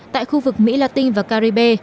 tại khu vực mỹ latin và caribe